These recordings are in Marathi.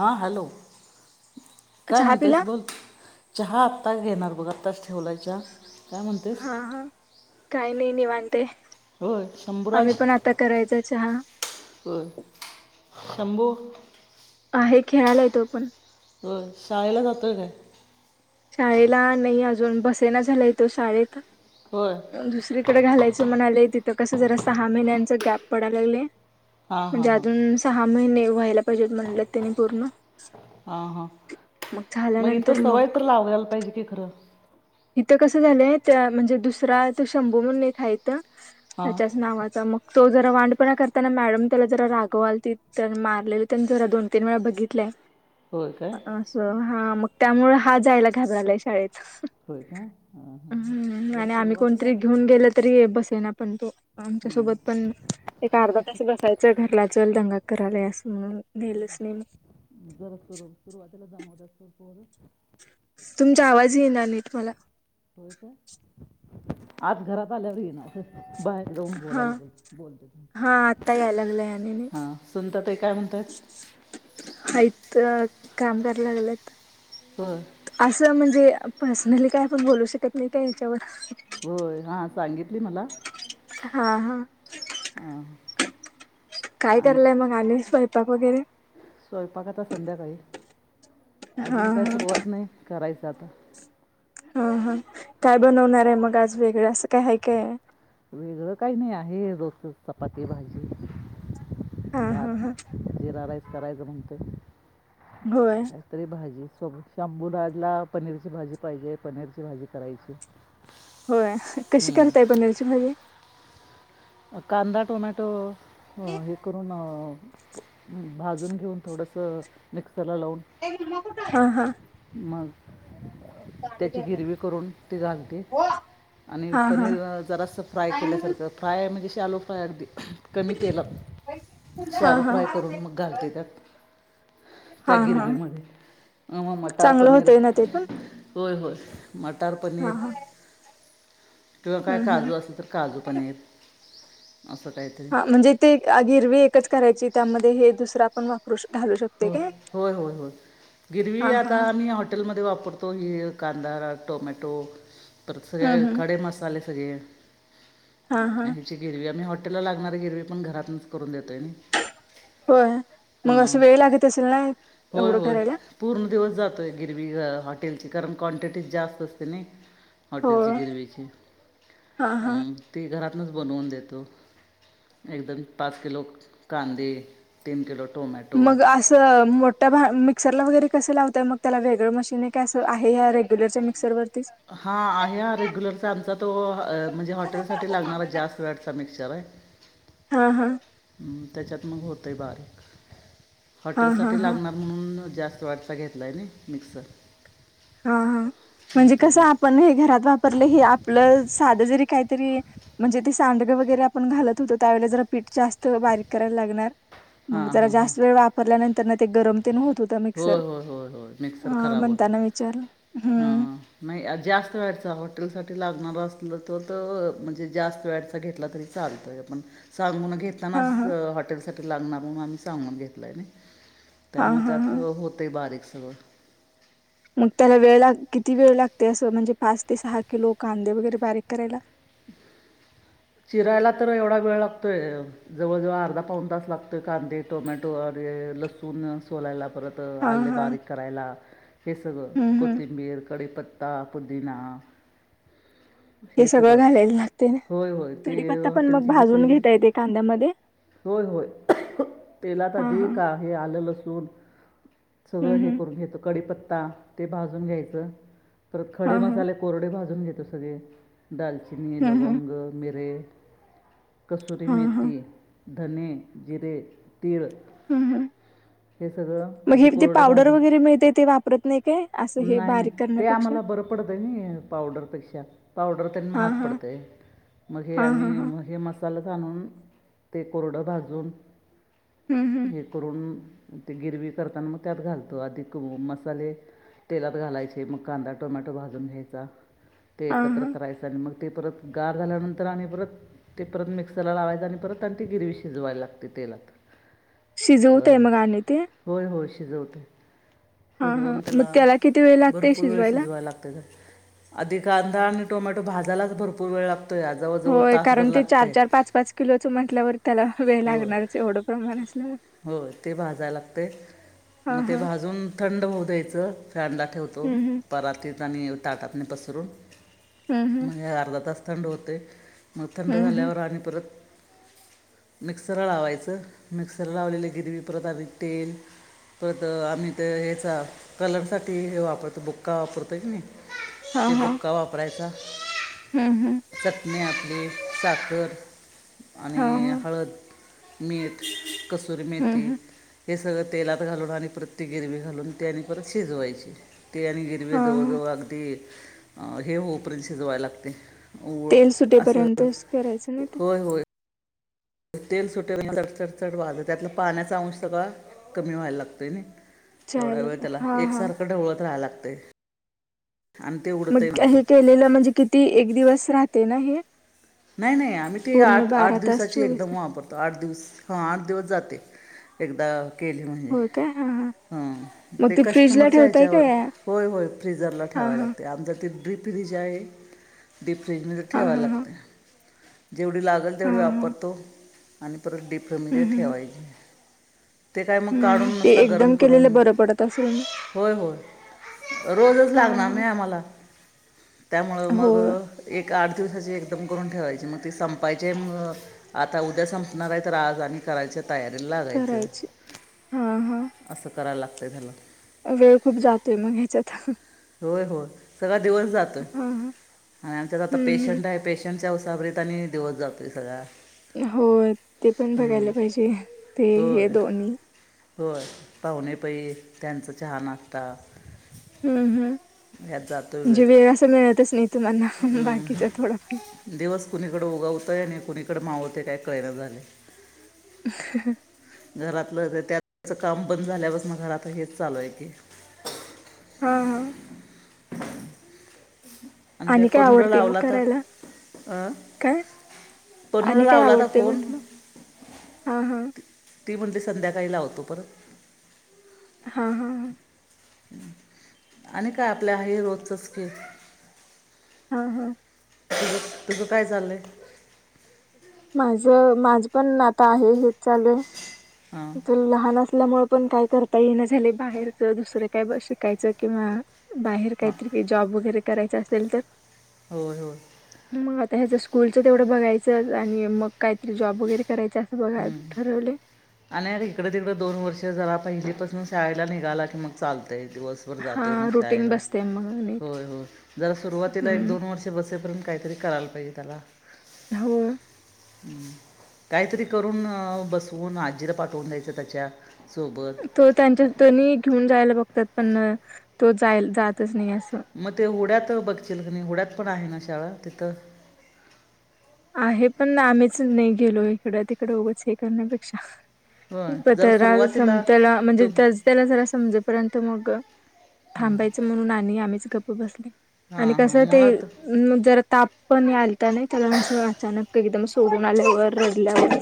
हां, हॅलो काय चहा म्हणतेस पिला बोल. चहा आत्ताच घेणार बघ आत्ताच ठेवलाय चहा. काय म्हणतेस हा हा काही नाही निवांत आहे. होय आम्ही शंभूराज पण आता करायच चहा. थांबू? आहे खेळायला येतो पण. व्हय शाळेला जातोय काय? शाळेला नाही अजून बसेना झालाय तो शाळेत. होय दुसरीकडे घालायचं म्हणाले तिथं कसं जरा सहा महिन्यांचा गॅप पडायला लागले. हां हां म्हणजे हां अजून सहा महिने व्हायला बजेट म्हलं त्यांनी पूर्ण हां हां मग इथं झाल्यानंतर मग सवय तर लावायला पाहिजे की खरं. इथं कसं झालंय त्या म्हणजे दुसरा तो शंभू म्हणून एक हायसा. हां त्याच्याच नावाचा मग तो जरा वांडपणा करताना मॅडम त्याला जरा रागवाल त मारलेली त्यांनी जरा दोन तीन वेळा बघितलेय. होय काय असं, हा मग त्यामुळे हा जायला घाबरलाय शाळेत. होय काय हां हां हां. हम् जरा आणि आम्ही सुरुवातीला कोणतरी घेऊन गेल तरी बसेना पण तो. हां आमच्यासोबत पण एक अर्धा तास बसायचं घरला चल दंगा करा [unintelligible] जरा सुर सुरुवातीला दमवतात पण पोर. तुमचा आवाज येत नाही. होय काय आत घरात आल्यावर येणार [unintelligible] बाहेर जाऊन हा. बोलायला पाहिजे. हा आत्ता यायला लागलाय आणि नीट हा सुनते. [unintelligible] हाईत काम करायला लागलंय. होय असं म्हणजे पर्सनली काय आपण बोलू शकत नाही का हच्यावर. होय हा सांगितली मला. हा हा. हं काय कराले आली मग स्वयंपाक वगैरे स्वयंपाक आता संध्याकाळी हा अजून हा काय सुरुवात नाही करायच. जाता. हंहा काय बनवणार आहे मग आज वेगळं असं काय हाय काय? वेगळं काहीच नाही आहे रोज चपाती भाजी. हा हा भाात हा जीरा राईस करायचं म्हणते. होय काहीतरी भाजी. [unintelligible] शंभुराजला पनीरची भाजी पाहिजे पनीरची भाजी करायची. होय, कशी करताय हम्म. पनीरची भाजी. कांदा टोमॅटो हे करून भाजून घेऊन थोडसं [unintelligible] हा हा [unintelligible] त्याची गिरवी करून ते घालते. आणि हा हा पनीर जरास फ्राय केल्यासारखं फ्राय म्हणजे शॅलो फ्राय अगदी कमी तेलात हा शॅलो हा फ्राय करून मग घालते त्यात. त्या हा हा गिरवीमध्ये, म मटार चांगलं पनीर होतय ना ते पण होय, होय. मटार हा पनीर हा किंवा काय हम्म हम्म काजू असलं तर काजू पनीर. असं काहीतरी हा म्हणजे ते गिरवी एकच करायची त्यामध्ये हे दुसरं आपण वापरू शकतो. हो, होय, होय, होय गिरवी हा हा आता मी हॉटेलमध्ये वापरतो [unintelligible] कांदा टोमॅटो परत हम्म सगळे हम्म खडे मसाले सगळे हा हा ह्याची गिरवी आम्ही हॉटेल लागणारी गिरवी पण घरात करून देताय ना होय मग हां असं हां वेळ लागत असेल ना होय एवढं होय करायला पूर्ण दिवस जातोय गिरी हॉटेलची कारण क्वांटिटी जास्त असते नइ हो हॉटेलची गिरवीची हा हा ती घरात बनवून देतो एकदम पाच किलो कांदे तीन किलो टोमॅटो मग मोठ्या भा मिक्सरला वगैरे कसं लावतय मग त्याला वेगळं मशीन आहे काय असं ह्या रेग्युलरच्या मिक्सरवर हा आहे हा रेग्युलरचा आमचा तो म्हणजे हॉटेल साठी लागणार आहे जास्त वॅटचा मिक्सचर आहे हा हा त्याच्यात मग होतंय बारीक हा हा हॉटेलसाठी हा लागणार म्हणून जास्त वॅटचा घेतला आहे नाही मिक्सर हा हा हम्म, म्हणजे कस त्याच्यात आपण हे घरात वापरलं हे आपलं साध जरी काहीतरी म्हणजे ते सांडगं वगैरे आपण घालत होतो त्यावेळे जरा पीठ जास्त बारीक करायला लागणार मग हां जरा हां हां जास्त वेळ वापरल्यानंतर ते गरम होत होता मिक्सर होय म्हणताना विचारलं हा हम्म नाही जास्त वॅटचा हॉटेल साठी लागणारा पण तो तर जास्त वॅटचा घेतला तरी चालतंय सांगून हा घेतानाच हा हॉटेलसाठी लागणार म्हणून आम्ही सांगून घेतलं आहे हा हा हा होतय बारीक सगळं मग त्याला वेळ ला किती वेळ लागते असं म्हणजे पाच ते सहा किलो कांदे वगैरे बारीक करायला [inaudible] चिरायला तर एवढा वेळ लागतोय जवळजवळ अर्धा पाऊन तास लागतोय कांदे टोमॅटो आणि लसून सोलायला परत हा आले हा बारीक करायला हे सगळं हम्म हम्म कोथिंबीर कढीपत्ता पुदीना हे सगळं घालायला लागतय होय होय ते कडीपत्ता पण मग हॉटेलची भाजून हिरवी घेताय ते कांद्यामध्ये होय होय तेलात हा हा आधी ते हे आलं लसूण हम्म सगळं हम्म हे करून घेतो कट कडिपता ते भाजून घ्यायच परत हा खडे हा मसाले कोरडे भाजून घेतो सगळे दालचिनी हम्म हम्म लवंग मिरे कसुरी हा हा मेथी धने जिरे तीळ हम्म हम्म हे सगळं मग हे आधी ते कोरडं पावडर भाजून वगैरे मिळते ते वापरत नाही काय असं हे बारीक करण्यापेक्षा बर पडतय नाही पावडर पेक्षा पावडर तेन हा महाग हा पडतय मग हे हा हा हा आम्ही हे मसाल आणून ते कोरडं भाजून हम्म हम्म हे करून ते गिरवी करताना मग त्यात घालतो अधिक मसाले तेलात घालायचे मग कांदा टोमॅटो भाजून घ्यायचा ते हा एकत्र हा करायचा आणि मग ते परत गार झाल्यानंतर आणि परत ते परत मिक्सरला लावायचं आणि परत ती गिरवी शिजवायला लागते तेलात शिजवताय मग आणि ते शिजवतय हा हा शिजवून मग त्याला किती वेळ लागते भरपूर वेळ शिजवायला लागतय. आधि कांदा आणि टोमॅटो भाजायलाच भरपूर वेळ लागतो. आहे जवळजवळ होय तासभर कारण ते लागतं चार आहे चार पाच पाच किलो च म्हटल्यावर त्याला वेळ होय लागणारच एवढं प्रमाण असल्यावर हो ते भाजाय लागतय. हा मग ते हा भाजून थंड होऊ द्यायचं फॅनला ठेवतो हम्म परातीत आणि ताटात पसरून हम्म हम्म म्हणजे अर्धा तास थंड होते. मग थंड हम्म हम्म हम्म झाल्यावर आणि परत मिक्सरला लावायचं मिक्सरला लावलेले गिरवी परत आधी तेल परत आम्ही तर हेचा कलर साठी वापरतो बुक्का वापरतोय की नाही. हा ते हा बुक्का वापरायचा. हम्म हम्म. मी आपली साखर हा आणि हा हळद मीठ हम्म कसूरमेथी हम्म हे सगळं तेलात घालून आणि प्रत्येक गिरवी घालून ते आणि परत शिजवायची. ते आणि गिरवे हा हा जवळजवळ अगदी हे होपर्यंत शिजवायला लागते. तेल असं सुटेपर्यंतच करायचं ना ते होय होय. तेल सुटेलच चटचट वाजेल त्यातला पाण्याचा अंश सगळा कमी व्हायला लागतोय नाही. एवढा चायला वेळ त्याला हा हा एकसारखं ढवळत राहायला लागत. मग हे केलेलं म्हणजे किती एक दिवस राहते ना हे. नाही नाही आम्ही ते पूर्ण आठ आठ बारा तास दिवसाची चोवीस एकदम तास वापरतो आठ दिवस हा आठ दिवस जाते. एकदा केले म्हणजे होय काय हा हा ह मग ते फ्रीजला कस्टमरच ठेवताय काय याच्यावर होय होय फ्रीजरला हा ठेवायला हा लागते आता ड्रिप फ्रीज आहे डीप फ्रिज मध्ये हा ठेवाय हा हा लागते. जेवढी लागेल हा तेवढी हा वापरतो आणि परत डीप फ्रिज मध्ये हम्म हम्म ठेवायची. ते काय मग काढून हम्म ते नुसतं गरम एकदम करून. केलेलं बरं पडत असेल ना होय होय रोजच हा लागणार नाही हा आम्हाला त्यामुळं मग होय एक आठ दिवसाची एक करून ठेवाय मग ते संपायचे मग आता उद्या संपणार आहेत आज आणि करायचे. तयारी लागायचं करायचे हा हा असं करायला लागतंय झाला. वेळ खूप जातोय मग ह्याच्यात हा होय होय सगळा दिवस जातोय. हा हम्म आणि आमच्यात आता पेशंट हम्म आहे पेशंटच्या उसावरीत आणि दिवस जातोय सगळा हो ते पण हम्म. बघायला पाहिजे ते हे होय दोन्ही होय पाहुणे पै त्यांचां चहा, नाश्ता. हम्म हम्म ह्यात जातो म्हणजे वेळ असं मिळतच नाही तुम्हाला हम्म. बाकीच थोडं. दिवस कुणीकड उगवतय आणि कुणीकडे मावळत काय कळना झालंय. घरातलं त्यात हेंच काम बंद झाल्यापासण म घरात हेच चालू असतं. हा हा [unintelligible] आणि काय पनूला आवडते मग लावला तर करायला अं? काय पनूला आणि काय लावला तर आवडतंय फोन म्हंटल हा हा. ती म्हणली संध्याकाळी लावतो परत हा हा हा. आणि काय आपल्या हे रोजचच की हा हा तस तुझं काय झाले माझ माझ पण आता आहे हे चालूय हां लहान असताना असल्यामुळे पण काय करता ये न झाले बाहेरच दुसरे काय शिकायचं किंवा बाहेर हां काहीतरी काही जॉब वगैरे करायच असेल तर हो हो तर ह्याचं स्कूलचं तेवढं बघायचं आणि मग काहीतरी जॉब वगैरे करायचे असं बघाय हम्म. ठरवले आणि इकडं तिकडं दोन वर्ष जरा पहिलीपासून शाळेला निघाला की मग चालतं दिवसभर जातोय मग हां, रुटीन शाळेला बसते मग नीट. होय होय जरा सुरुवातीला एक हं. दोन वर्ष बसेपर्यंत काहीतरी करायला पाहिजे त्याला ह हम् काहीतरी करून अ बसवून आजी पाठवून द्यायचं त्याच्या सोबत तो त्यांच्या त्यांनी घेऊन जायला बघतात पण तो जायला जातच नाही असं. मग ते उड्यात बघशील क नाही हुड्यात पण आहे ना शाळा तिथं आहे पण आम्हीच नाही गेलो इकडं तिकडं उगच हे करण्यापेक्षा. होय प जरा त्याला सम सुरुवातीला त्याला म्हणजे तो त्याच त्याला जरा समजेपर्यंत मग अ थांबायचं म्हणून आणि आम्हीच गप्प बसले आणि हां कस हां ते मुळात जरा ताप पण या अचानक एकदम सोडून आल्यावर रडल्यावर.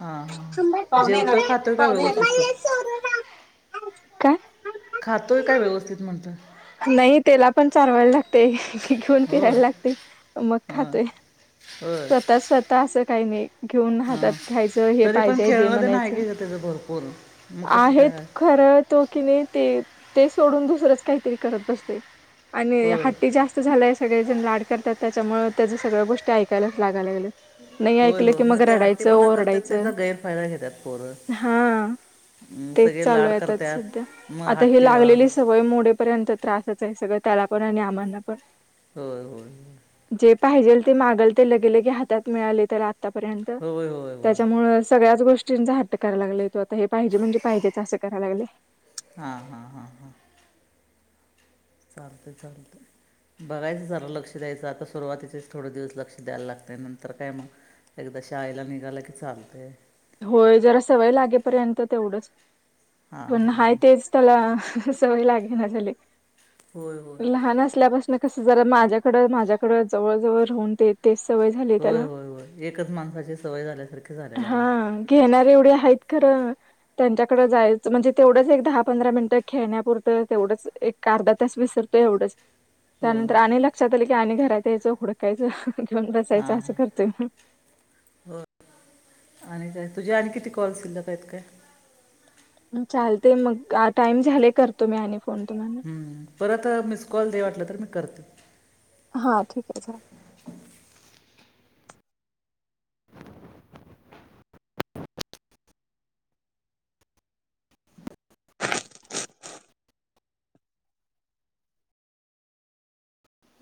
हां हां जेवतोय खातोय काय व्यवस्थित तो [inaudible] काय खातोय काय व्यवस्थित म्हटलं. नाई तेला पण चारवाय लागतंय घेऊन होय फिराय लागतंय मग होय खातोय. होय स्वतः स्वतः असं काही नाही. घेऊन हातात हां घ्यायचं हे तरी पण पाहिजे दे खेळणं ते नाही म्हणायचं की गं त्याचं भरपूर मग कसं काय आहेत आहे? खर तो की नी ते ते सोडून दुसरंच काहीतरी करत बसतय आणि होय हट्टी जास्त झालाय सगळे जण लाड करत्यात. त्याच्यामुळे त्याज सगळ्या गोष्टी ऐकायलाच लागालागल्यात. नाही होय ऐकलं की होय मग ते रडायचं, हट्टीपणा करतात ओरडायचं त्याचा गैरफायदा घेतात पोरं हा अं, तेच सगळे लाड चालूय आता सध्या करतात मग आता ही हट्टी होय लागलेली सवय मोडेपर्यंत त्रासच आहे सगळं त्याला पण आणि आमांना पण. होय होय होय पाहिजेल ते मागल ते लगेलगे हातात मिळालंय त्याला आतापर्यंत होय होय होय त्याच्यामुळ सगळयात गोष्टींचा हट्ट कराय लागलाय तो आता हे पाहिजे म्हणजे पाहिजेच असं कराय लागलंय. हा हा हा हा चालतंय चालतंय बघायचं जरा लक्ष द्यायचं आता सुरुवातीचेच थोडे दिवस लक्ष द्यायला लागतंय नंतर काय मग. एकदा शाळेला निघाला की चालतय होय जरा सवय लागेपर्यंत तेवढंच हां पण हां हाय हां तेच त्याला सवय लागेना झाले होय होय लहान असल्यापासन कस जरा माझ्याकडं माझ्याकडं जवळ जवळ राहून तेेतेच होय होय होय एकच माणसाची सवय झाल्यासारख झाल्या तेल हा घेणार एवढे आहेत खरं त्यांच्याकड जायचं म्हणजे तेवढंच एक, दहा, पंधरा मिनिटं खेळण्यापुरतं तेवढंच एक अर्धातास विसरत. एवढंच हो त्यानंतर आणि लक्षात आल की आणि घरात यायचं हुडकायच. घेऊन बसायचं हां असं करतोय म. हो आणि काय तुझे आणि किती कॉल शिल्लक आहेत काय. चालतंय मग आ टाइम झालंय करतो मी आणि. फोन तुम्हाला. हम्म परत मिस कॉल दे वाटलं तर मी करत हा ठीक आहे.